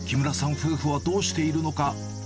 夫婦はどうしているのか。